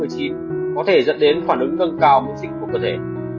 có thể dẫn đến phản ứng gần cao mức trịnh của cơ thể